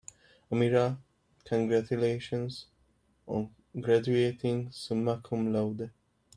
"Amira, congratulations on graduating summa cum laude."